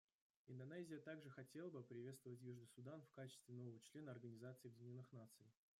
Индонезия также хотела бы приветствовать Южный Судан в качестве нового члена Организации Объединенных Наций.